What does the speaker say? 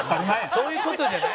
そういう事じゃない。